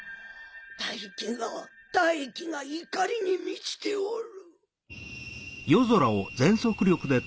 大気が大気が怒りに満ちておる。